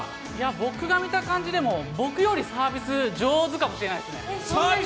僕が見た感じでも、僕よりサービス、上手かもしれないですね。